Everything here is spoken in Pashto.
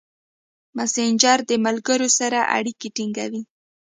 مسېنجر د ملګرو سره اړیکې ټینګوي.